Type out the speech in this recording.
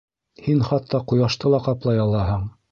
Һин хатта ҡояшты ла ҡаплай алаһың.